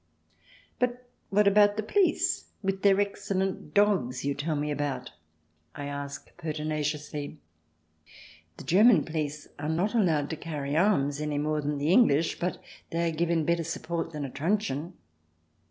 " But what about the poHce, with their excellent dogs you tell me about ?" I asked, pertinaciously. The German police are not allowed to carry arms any more than the English,* but they are given better support than a truncheon.